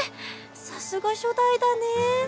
さすが初代だねぇ。